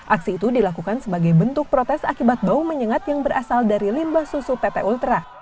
aksi itu dilakukan sebagai bentuk protes akibat bau menyengat yang berasal dari limbah susu pt ultra